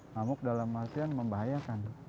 ngamuk dalam hatian membahayakan